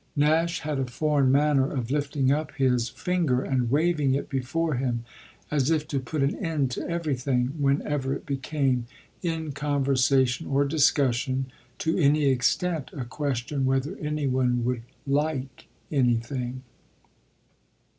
Nash had a foreign manner of lifting up his finger and waving it before him, as if to put an end to everything, whenever it became, in conversation or discussion, to any extent a question whether any one would "like" anything.